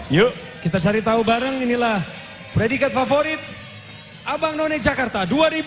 yuk kita cari tahu bareng inilah predikat favorit abang none jakarta dua ribu dua puluh